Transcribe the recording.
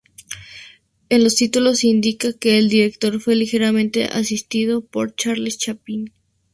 En los títulos se indica que el director fue "ligeramente asistido por Charles Chaplin".